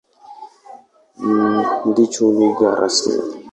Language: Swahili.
Ndicho lugha rasmi.